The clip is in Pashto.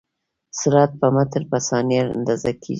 سرعت په متر په ثانیه اندازه کېږي.